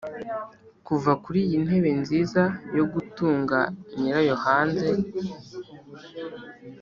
kuva kuri iyi ntebe nziza yo gutunga nyirayo hanze.